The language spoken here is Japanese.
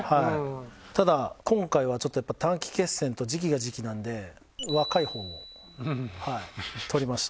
ただ今回はちょっと短期決戦と時期が時期なんで若い方をはい取りました。